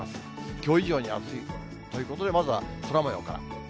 きょう以上に暑いということで、まずは空もようから。